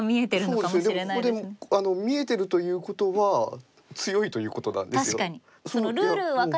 でもここで見えてるということは強いということなんですよ。